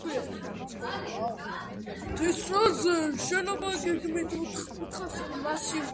მთის წვერზე, შენობა გეგმით ოთხკუთხაა, მასიური.